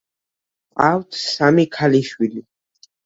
ჰყავთ სამი ქალიშვილი.